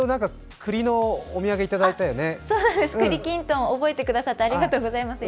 栗きんとん、覚えてくださってありがとうございます。